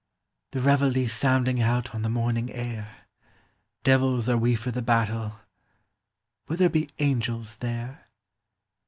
the reveille sounding out on the morning air ; Devils are we for the battle — Will there be angels there